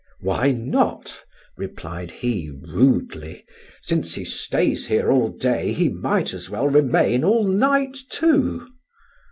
"Why not?" replied he, rudely, "since he stays here all day, he might as well remain all night too."